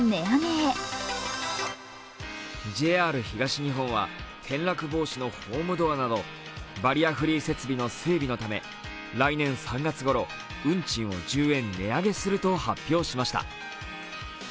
ＪＲ東日本は、転落防止のホームドアなどバリアフリー設備の整備のため来年３月ごろ、運賃を１０円値上げすると発表しました。